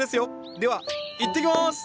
ではいってきます！